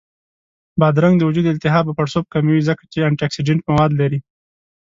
بادرنګ د وجود التهاب او پړسوب کموي، ځکه چې انټياکسیدنټ مواد لري